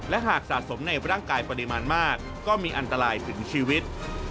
และหากสะสมในร่างกายปริมาณมากก็มีอันตรายถึงชีวิต